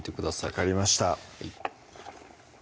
分かりました